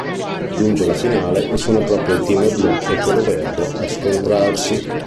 Giunge la finale e sono proprio il team blu e quello verde a scontrarsi.